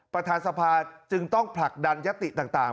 ประธานสภาจึงต้องผลักดันยติต่าง